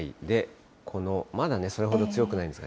まだそれほど強くないんですが。